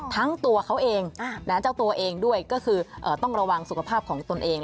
ทั้งตัวเขาเองและเจ้าตัวเองด้วยก็คือต้องระวังสุขภาพของตนเอง